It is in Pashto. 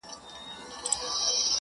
هم له جنډۍ، هم زیارتونو سره لوبي کوي،